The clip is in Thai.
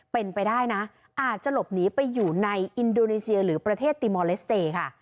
เป็นไปได้นะอาจจะหลบหนีไปอยู่ในอินโดนีเซียหรือประเทศติมอลเลสเตย์ค่ะ